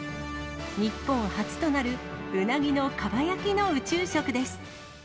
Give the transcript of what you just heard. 日本初となるうなぎのかば焼きの宇宙食です。